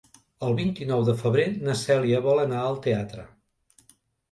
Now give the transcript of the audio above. El vint-i-nou de febrer na Cèlia vol anar al teatre.